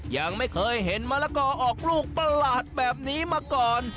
ยังไม่เคยเห็นมะละกอออกลูกประหลาดแบบนี้มาก่อน